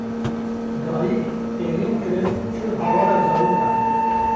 Dayîk qîrîn kirin çûn hewara zarokan